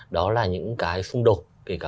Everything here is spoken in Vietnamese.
đó là những cái xung đột kể cả